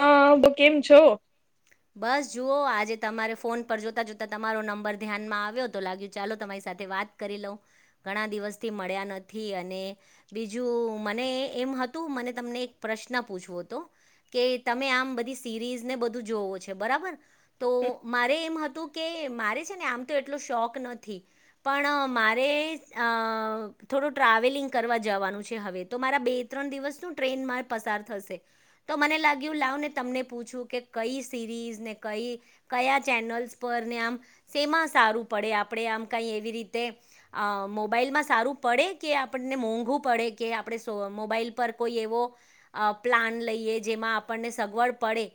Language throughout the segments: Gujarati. હા, બો કેમ છો? બસ જુઓ, આજે તમારે ફોન પર જોતા જોતા તમારો નંબર ધ્યાનમાં આવ્યો, તો લાગ્યું ચાલો તમારી સાથે વાત કરી લઉ, ઘણા દિવસથી મળ્યા નથી, અને બીજું મને એમ હતું, મને તમને એક પ્રશ્ન પૂછવો હતો. કે તમે આમ બધી સિરીઝને બધું જોવો છો, બરાબર! તો મારે એમ હતું કે મારે છે ને આમતો એટલો શોખ નથી. પણ મારે અ થોડું ટ્રાવેલિંગ કરવા જવાનું છે હવે, તો મારા બે ત્રણ દિવસ શુ ટ્રેનમાં પસાર થશે, તો મને લાગ્યું લાવ ને તમને પૂછું, કે કઈ સિરીઝને? કઈ કયા ચેનલ્સ પર? ને આમ સેમાં સારું પડે? આપણેે આમ કઈ એવી રીતે અ મોબાઈલમાં સારું પડે, કે આપણને મોંઘું પડે? કે આપડે સો મોબાઈલ પર કોઈ એવો અ પ્લાન લઈએ, જેમાં આપણને સગવડ પડે.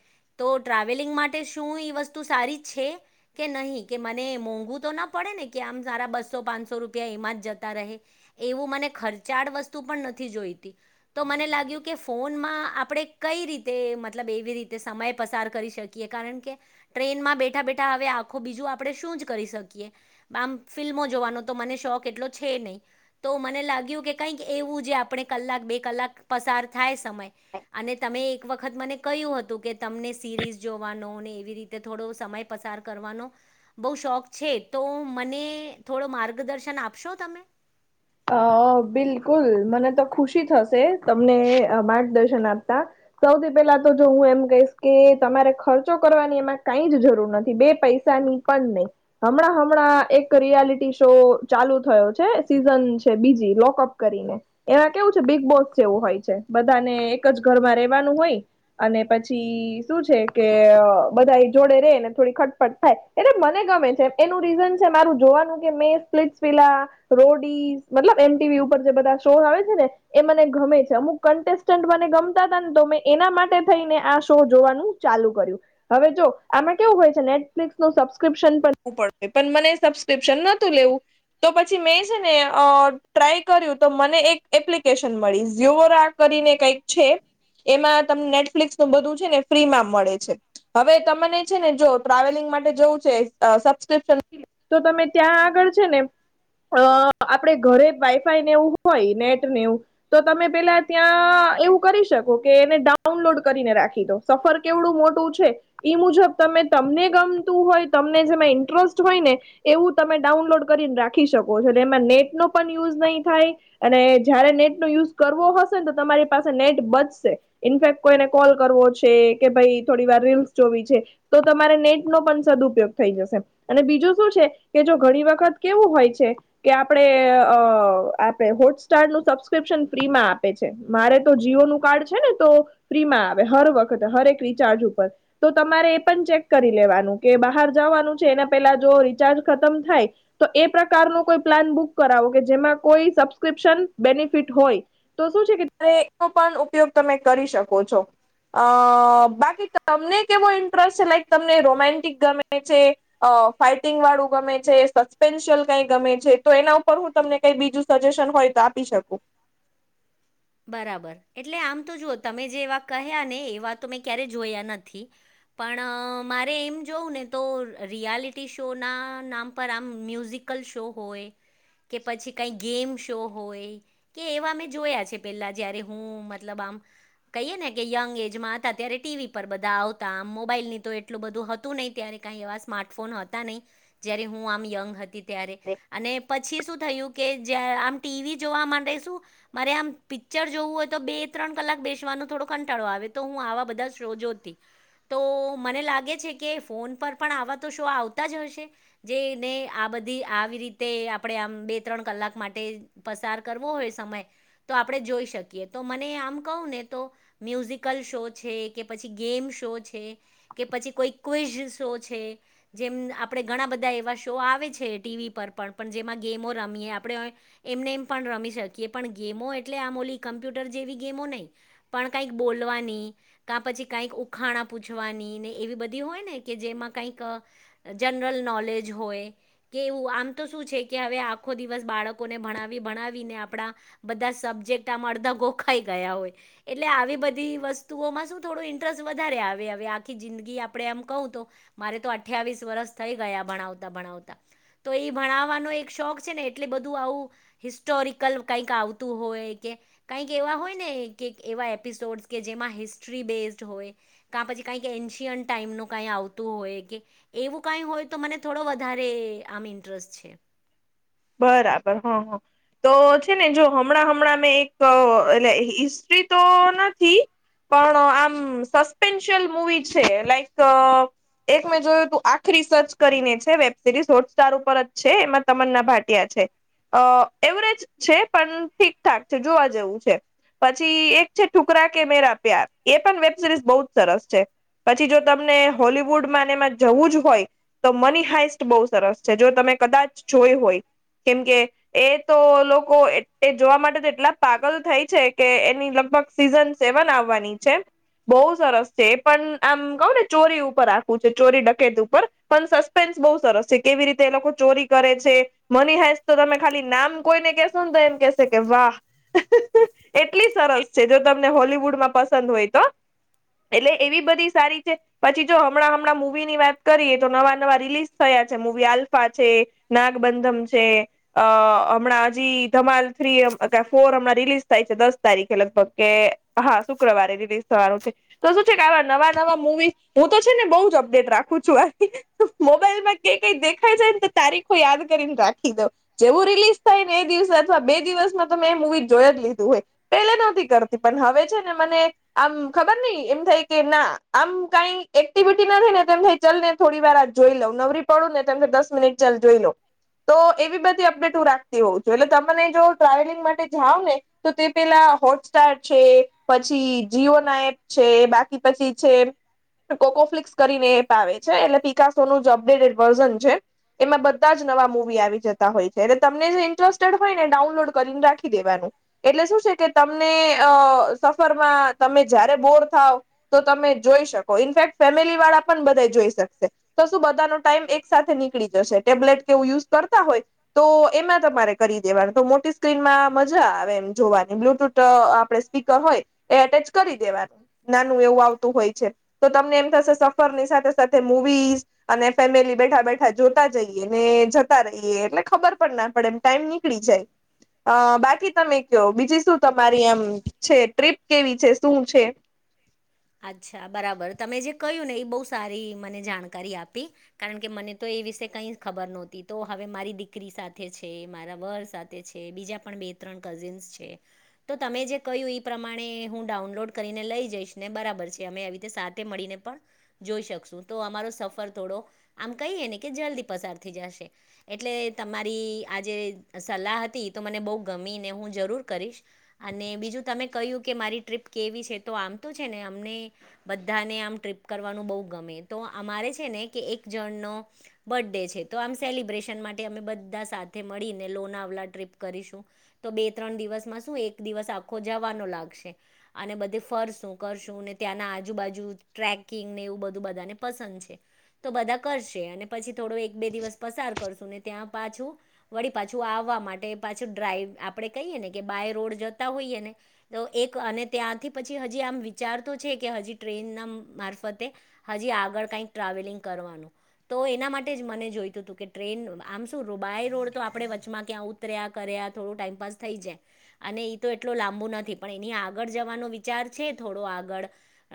તો ટ્રાવેલિંગ માટે શું એ વસ્તુ સારી છે? કે નહીં, કે મને મોંઘું તો ના પડેને, કે આમ સારા બસો, પાંચસો રૂપિયા એમાંજ જતા રહે. એવું મને ખર્ચાળ વસ્તુ પણ નથી જોઈતી. તો મને લાગ્યું કે ફોનમાં આપડે કઈ રીતે મતલબ એવી રીતે સમય પસાર કરી શકીએ, કારણકે ટ્રેનમાં બેઠા બેઠા હવે આખું બીજું આપણે શું જ કરી શકીએ. આમ, ફિલ્મો જોવાનો તો મને શોખ એટલો છે નહી. તો મને લાગ્યુંકે કંઈક એવું જે આપડે કલાક, બે કલાક પસાર થાય સમય. અને તમે એક વખત મને કહ્યું હતું, કે તમને સિરીઝ જોવાનો ને એવી રીતે થોડો સમય પસાર કરવાનો બહુ શોખ છે, તો મને થોડો માર્ગદર્શન આપશો તમે? અ! બિલકુલ, મને તો ખુશી થશે, તમને માર્ગદર્શન આપતા. સૌથી પેલા તો જો હું એમ કહીશ કે, તમારે ખર્ચો કરવાની એમાં કાંઈજ જરૂર નથી, બે પૈસાની પણ નહી, હમણાં હમણાં એક રિયાલિટી શો ચાલુ થયો છે, સીઝન છે બીજી, લોકઅપ કરીને. એવા કેવું છે, બિગ બોસ જેવું હોય છે, બધાને એક જ ઘરમાં રેવાનું હોય. અને પછી શું છે કે, અ બધાએ જોડે રેને થોડી ખટપટ થાય. એટલે મને ગમે છે, એનું રીઝન છે મારું જોવાનું કે, મે સ્પ્લિટ વિલા, રોડીસ મતલબ, એમ ટી વી ઉપર જે બધા શો આવે છેને. એ મને ગમે છે, અમુક કન્ટેસ્ટન્ટ મને ગમતા હતા ને, તો મેં એના માટે થઈને આ શો જોવાનું ચાલુ કર્યું. હવે જો, આમાં કેવું હોય છે, નેટફ્લિક્સ નું સબસ્ક્રિપ્શન પણ ઘું પડે, પણ મને એ સબસ્ક્રિપ્શન નતું લેવું. તો પછી મેં છે ને અ ટ્રાય કર્યું, તો મને એક એપ્લિકેશન મળી, ઝીઓરા કરીને કંઈક છે. એમાં તમને નેટફ્લિક્સ નું બધું છે ને ફ્રીમાં મળે છે. હવે તમને છેને જો, ટ્રાવેલિંગ માટે જવું છે, અ સબસ્ક્રિપ્શન નથી લેવું. તો તમે ત્યાં આગળ છે ને અ આપડે ઘરે વાઈફાઈ નેવું હોય નેટ નેવું. તો તમે પેલા ત્યાં એવું કરી શકો કે એને ડાઉનલોડ કરીને રાખી દો. સફર કેવડું મોટું છે? ઈ મુજબ તમે તમને ગમતું હોય તમને જેમાં ઇન્ટરસ્ટ હોય ને! એવું તમે ડાઉનલોડ કરીને રાખી શકો છો એટલે એમાં નેટ નો પણ યુઝ નહીં થાય. અને જયારે નેટ નો યુઝ કરવો હશે ને તો તમારી પાસે નેટ બચશે. ઇનફેક્ટ કોઈને કોલ કરવો છે કે ભાઈ થોડી વાર રીલ્સ જોવી છે. તો તમારે નેટ નો પણ સદઉપયોગ થઈ જશે. અને બીજું શું છે કે જો ઘણી વખત કેવું હોય છે? કે આપણે અ આપે હોટસ્ટાર નું સબસ્ક્રિપ્શન ફ્રી માં આપે છે‌. મારે તો જીઓ નું કાર્ડ છે ને તો ફ્રી માં આવે હર વખત હરેક રિચાર્જ ઉપર. તો તમારે એ પણ ચેક કરી લેવાનું કે બહાર જવાનું છે એના પેલા જો રિચાર્જ ખતમ થાય. તો એ પ્રકાર ન કોઈ પ્લાન બુક કરાવો કે જેમાં કોઈ સબસ્ક્રિપ્શન બેનિફિટ હોય. તો શું છે કે ત એનો પણ ઉપયોગ તમે કરી શકો છો. અ બાકી તમને કેવો ઇન્ટરેસ્ટ છે લાઈક તમને રોમેન્ટિક ગમે છે. અ ફાઈટિંગ વાળું ગમે છે, સસ્પેન્શયલ કઈ ગમે છે? તો એના ઉપર હું તમને કઈ બીજું સજેશન હોય તો આપી શકું. બરાબર એટલે આમ તો જુઓ તમે જે એવા કહ્યા ને એવા તો મેં ક્યારેય જોયા નથી. પણ મારે એમ જોવું ને તો રિયાલિટી શોના નામ પર આમ મ્યુઝિક શો હોય કે પછી કઈ ગેમ શો હોય કે એવા મેં જોયા છે. પેલા જયારે હું મતલબ આમ કહીએ ને કે યંગ એજમાં હતા ત્યારે ટીવી પર બધા આવતા આમ મોબાઈલની તો એટલું બધું હતું નહી ત્યારે કંઈ એવા સ્માર્ટફોન હતા નહીં જયારે હું આમ યંગ હતી ત્યારે અને પછી શું થયું કે જ આમ ટીવી જોવા માંડેશું મારે આમ પિક્ચર જોવું હોય તો બે ત્રણ કલાક બેસવાનો થોડો કંટાળો આવે તો હું આવા બધા શો જોતી. તો મને લાગે છે કે ફોન પર પણ આવા તો શો આવતા જ હશે. જેને આ બધી આવી રીતે આપણે આમ બે ત્રણ કલાક માટે. પસાર કરવો હોય સમય તો આપણે જોઈ શકીએ તો મને આમ કહું ને તો. મ્યુઝિકલ શો છે કે, પછી ગેમ શો છે. કે પછી કોઈ ક્વિઝ શો છે. જેમ આપણે ઘણા બધા એવા શો આવે છે ટીવી પર પણ પણ જેમાં ગેમો રમીએ આપણે. એમને એમ પણ રમી શકીએ પણ ગેમો એટલે આમોલી કમ્પ્યુટર જેવી ગેમો નહીં. પણ કંઈક બોલવાની. કા પછી કઈક ઉખાણા પૂછવાની ને એવી બધી હોય ને કે જેમાં કઈક જનરલ નોલેજ હોય‌. કે એવું આમ તો શું છે કે, હવે આખો દિવસ બાળકોને ભણાવી ભણાવીને આપણા બધા સબ્જેક્ટ આમ અડધા ગોખાઈ ગયા હોય. એટલે આવી બધી વસ્તુઓમાં શું થોડું ઇન્ટરસ વધારે આવે હવે આખી જિંદગી આપડે એમ કઉ તો મારે તો અઠ્યાવીસ વરષ થઈ ગયા ભણાવતા ભણાવતા. તો એ ભણાવાનો એક શોખ છે ને એટલે બધું આવું હિસ્ટોરિકલ કાઈક આવુ તુ હોય કે કાઈક એવા હોય ને કે એવા એપિસોડસ કે જેમાં હિસ્ટ્રી બેઝડ હોય, કા પછી કાઈક એન્શિયન્ટ ટાઈમનું કાઈ આવતું હોય કે‌. એવું કાઈ હોય તો મને થોડો વધારે આમ ઇન્ટરસ છે. બરાબર, હ, હ, તો છે ને જો હમણાં હમણાં મેં એક એટલે હિસ્ટ્રી તો નથી. પણ આમ સસ્પેન્શિયલ મુવી છે, લાઈક એક મેં જોયું તું આખરી સર્ચ કરીને છે, વેબસિરીઝ હોટસ્ટાર ઉપર જ છે, એમાં તમન્ના ભાટિ ટિયા છે, અ એવરેજ છે, પણ ઠીક ઠાક છે, જોવા જેવું છે. પછી એક છે, ઠુકરા કે મેરા પ્યાર એ પણ વેબસિરીઝ બહુ જ સરસ છે. પછી જો તમને હોલીવુડમાં ને એમાં જવું જ હોય. તો મની હાઈસ્ટ બહુ સરસ છે, જો તમે કદાચ જોય હોય, કેમ કે એ તો લોકો એટ એ જોવા માટે તો એટલા પાગલ થાય છે કે, એની લગભગ સીઝન સેવન આવવાની છે. બહુ સરસ છે, એ પણ આમ કઉ ને ચોરી ઉપર આખું છે, ચોરી દકેત ઉપર પણ સસ્પેન્સ બહુ સરસ છે, કેવી રીતે એ લોકો ચોરી કરે છે. મની હાઇસ્ટશ તો તમે ખાલી નામ કોઈને કેશો ને તો એમ કેશે કે, વાહ! એટલી સરસ છે, જો તમને હોલીવુડમાં પસંદ હોય તો. એટલે એવી બધી સારી છે. પછી જો હમણાં હમણાં મૂવીની વાત કરીએ, તો નવા નવા રિલીઝ થયા છે, મૂવી આલ્ફા છે. નાગબંધમ છે. અ હમણાં હજી ધમાલ થ્રી અ કા ફોર હમણાં રિલીઝ થાય છે, દસ તારીખે લગભગ કે હા, શુક્રવારે રિલીઝ થવાનું છે. તો શું છે કે આવા નવા નવા મૂવી, હું તો છે ને બહુ જ અપડેટ રાખું છું, આ મોબાઈલમાં કઈ કઈ દેખાય જાય ને તો તારીખો યાદ કરીને રાખ ખી દવ જેવું રિલીઝ થાય ને એ દિવસે અથવા બે દિવસમાં તો મે મૂવી જોય જ લીધું હોય. પેલે નોહતી કરતી પણ હવે છે ને મને આમ ખબર નઈ એમ થાય કે ના આમ કાઈ એક્ટિવિટી નથી ને તો એમ થાય ચાલ ને થોડી વાર આ જોઈ લઉ, નવરી પડું ને ત એમ થાય કે દસ મિનટ ચાલ જોઈ લઉ તો એવી બધી અપડેટ હું રાખતી હોઉં છું, એટલે તમને જો ટ્રાવેલિંગ માટે જાવ ને તો તે પેલા હોટસ્ટાર છે, પછી જીઓ ના એપ છે, બાકી પછી છે. કોકોફ્લિક્સ કરીને એપ આવે છે, એટલે પિકાસોનું જ અપડેટેડ વર્ઝન છે. એમાં બધા જ નવા મૂ આવી જતા હોય છે, એ ને તમને જે ઇન્ટરેસ્ટેડ હોય ને ડાઉનલોડ કરીને રાખી દેવાનું. એટલે શું છે કે તમને અ સફરમાં તમે જયારે બોર થાવ તો તમે જોઈ શકો ઇનફેક્ટ ફેમિલી વાળા પણ બધાય જોઈ શકશે. તો શું બધાનો ટાઈમ એક સાથે નીકળી જશે, ટેબ્લેટ કેવું યુસ કરતા હોય. તો એમાં તમારે કરી દેવાનું તો મોટી સ્ક્રીનમાં મજા આવે એમ જોવાની, બ્લુટૂથ ત આપણેે સ્પીકર હોય એ એટેચ કરી દેવાનું, નાનું એવું આવતું હોય છે. તો તમને એમ થશે સફરની સાથે સાથે મૂવીસ અને ફેમિલી બેઠા બેઠા જોતા જઈએ ને જત તા રહીએ એટલે ખબર પર ના પડે એમ ટાઈમ નીકળી જાય. અ બાકી તમે કીયો બીજી શું તમારી એમ છે, ટ્રીપ કેવી છે? શું છે? અચ્છા, બરાબર, તમે જે કહ્યું ને એ બહુ સારી મને જાણકારી આપી. કારણ કે મને તો એ વિશે કઈ ખબર નોહતી તો હવે મારી દીકરી સાથે છે, મારા વર સાથે છે બીજા પણ બે ત્રણ કઝિન્સ છે તો તમે જે કહ્યું એ પ્રમાણે હું ડાઉનલોડ કરીને લઈ જઈશ ને બરાબર છે અમે આવી રીતે સાથે મળીને પણ જોઈ શકશું તો અમારો સફર થોડો આમ કહીએ ને કે જલ્દી પસાર થઈ જશે. એટલે તમારી આજે સલાહ હતી તો મને બહુ ગમી ને હું જરૂર કરીશ‌. અને બીજું તમે કહ્યું કે મારી ટ્રીપ કેવી છે તો આમ તોું છે ને અમને બધાને આમ ટ્રીપ કરવાનું બહુ ગમે તો અમારે છે ને કે એક જણનો બર્ ડે છે તો આમ સેલિબ્રેશન માટે અમે બધા સાથે મળીને લોનાવલા ટ્રીપ કરીશું. તો બે ત્રણ દિવસમાં શું એક દિવસ આખો જવાનો લાગશે અને બધે ફરશું. કરશું ને ત્યાંના આજુબાજુ ટ્રેકિંગ ને એવું બધું બધાને પસંદ છે. તો બધા કરશે અને પછી થોડો એક બે દિવસ પસાર કરશું ને ત્યાં પાછું વળી પાછું આવવા માટે પાછું ડ્રાઈવ આપણે કહીએ ને કે બાય રોડ જતા હોઈએ ને તો એક અને ત્યાંથી પછી હજી આમ વિચાર તો છે કે હજી ટ્રેન ના મારફતે હજી આગળ કઈક ટ્રાવેલિંગ કરવાનું. તો એના માટે જ મને જોઈતું હતું કે ટ્રેન આમ શું બાય રોડ તો આપણે વચમાં ક્યાં તર્યા કર્યા થોડું ટાઈમપાસ થઈ જાય. અને ઈ તો એટલો લાંબુ નથી પણ એની આગળ જવાનો વિચાર છે થોડો આગળ.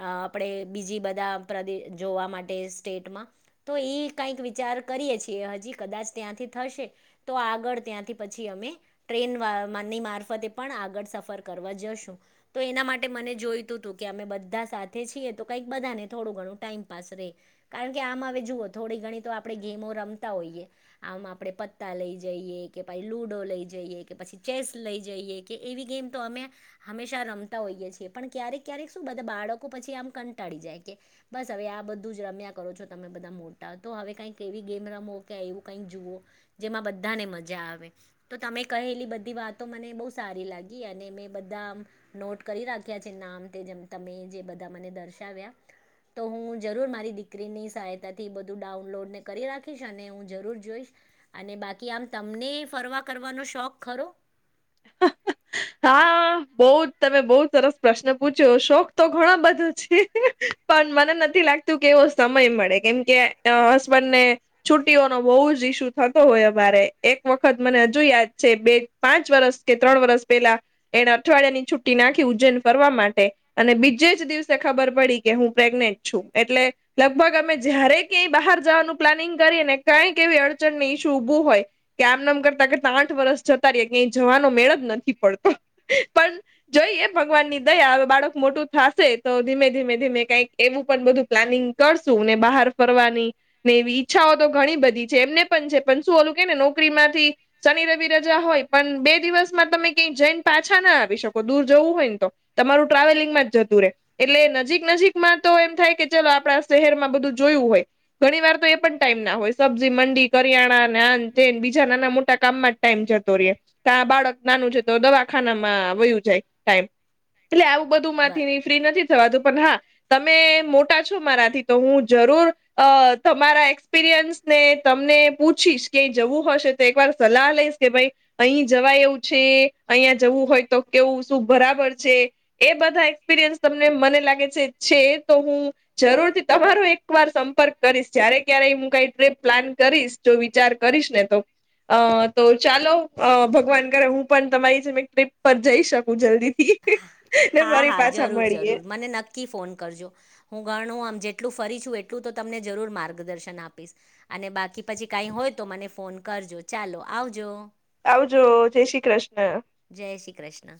અ આપણે બીજી બધા પ્રદે જોવા માટે સ્ટેટમાં તો ઈ કાઈક વિચાર કરીએ છીએ એ હજી કદાચ ત્યાંથી થશે. તો આગળ ત્યાંથી પછી અમે ટ્રેન વાની મારફતે પણ આગળ સફર કરવા જશું. તો એના માટે મને જોય તું તું કે અમે બધા સાથે છીએ તો કંઈક બધાને થોડું ઘણું ટાઈમપાસ રે. કારણ કે આમ હવે જુઓ થોડી ઘણી તો આપણે ગેમો રમતા હોઈએ. આમ આપણેે પત્તા લઈ જઈએ કે પછી, લુડો લઈ જઈએ, કે પછી ચેસ લઈ જઈએ. કે એવી ગેમ તો અમે હંમેશા રમતા હોઈએ છીએ. પણ ક્યારેક ક્યારેક શું બધા બાળકો પછી આમ કંટાળી જાય કે બસ હવે આ બધું જ રમ્યા કરો છો તમે બધા મોટા. તો હવે કઈક એવી ગેમ રમો, કે એવું કઈક જુઓ જેમાં બધાને મજા આવે. તો તમે કહેલી બધી વાતો મને બહુ સારી લાગી. અને મેં બધા નોટ કરી રાખ્યા છે નામ તે જેમ તમે જે બધા મને દર્શાવ્યા. તો હું જરૂર મારી દીકરીની સહાયતાથી એ બધું ડાઉનલોડને કરી રાખીશ અને હું જરૂર જોઈશ. અને બાકી આમ તમને ફરવા કરવાનો શોખ ખરો? હા બહુ તમે બહુ સરસ પ્રશ્ન પૂછ્યો શોખ તો ઘણો બધો છે. પણ મને નથી લાગતું કે એવો સમય મળે કેમ કે અ હસબન્ડ ને છુટીઓનો બહુ જ ઇસ્યુ થતો હોય અમારે એક વખત મને હજુ યાદ છે બે પાં પાંચ વર્ષ કે ત્રણ વર્ષ પેલા એને અઠવાડિયાની છુટી નાખી ઉજ્જૈન ફરવા માટે. અને બીજે જ દિવસે ખબર પડી કે હું પ્રેગ્નેન્ટ છું એટલે લગભગ અમે જ્યારે ક્યાંય બહાર જવાનું પ્લાનિંગ કરીએ ને કંઈક એવી અડચણ ને ઇસ્યુ ઊભું હોય. કે આમનેમ કરતા કે આઠ વર્ષ જતા રયા ક્યાંય જવાનો મેળ જ નથી પડતો. પન જોઈએ ભગવાનની દયા હવે બાળક મોટું થાશે તો ધીમે ધીમે ધીમે કંઈક એવું પણ બધું પ્લાનિંગ કરશું ને બહાર ફરવાની ને એવી ઈચ્છાઓ તો ઘણી બધી છે એમને પણ છે. પણ શું ઓલું કે ને નોકરીમાંથી શનિ રવિ રજા હોય પણ બે દિવસમાં તમે કઈ જૈન પાછા ના આવી શકો દૂર જવું હોય ને તો. તમારું ટ્રાવેલિંગમાં જતું રે. એટલે નજીક નજીકમાં તો એમ થાય કે ચલો આપડા શહેરમાં બધું જોયું હોય. ઘણી વાર તો એ પણ ટાઈમ ના હોય સબ્જી મંડી કરિયાણાના ને આન તેન બીજા નાના મોટા કામમાં ટાઈમ જતો રે કા આ બાળક નાનું છે તો દવાખાનામાં વયું જાય ટાઈમ. એટલે આવું બધું બ માંથી ને ફ્રી નથી થવાતું પણ હા. તમે મોટા છો મારાથી તો હું જરૂર અ તમારા એક્સપિરિયન્સ ને તમને પૂછીશ કે જવું હશે તો એક વાર સલાહ લઈશ કે ભાઈ અહી જવાય એવું છે, અહિયાં જવું હોય તો કેવું શું બરાબર છે. એ બધા એક્સપિરિયન્સ તમને મને લાગે છે, તો હું જરૂરથી તમારો એક વાર સંપર્ક કરીશ. જય્યારે ક્યારેય હું કાઈ ટ્રીપ પ્લાન કરીશ. જો વિચાર કરીશ ને તો. અ તો ચાલો અ ભગવાન કરે હું પણ તમારી જેમ એક ટ્રીપ પર જઈ શકું જલ્દીથી. ને હા ફરી હા પાછા જરૂર મળીએ જરૂર મને નક કી ફોન કરજો હું ઘણું આમ જેટલું ફરી છું એટલું તો તમને જરૂર માર્ગદર્શન આપીશ. અને બાકી પછી કાઈ હોય તો મને ફોન કરજો. ચાલો આવજો. આવજો જય શ્રી કૃષ્ણ. જય શ્રી કૃષ્ણ.